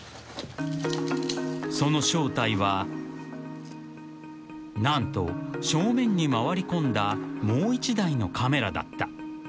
［その正体は何と正面に回り込んだもう一台のカメラだった］